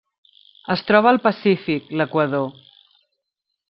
Es troba al Pacífic: l'Equador.